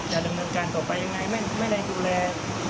ดำเนินการต่อไปยังไงไม่ได้ดูแล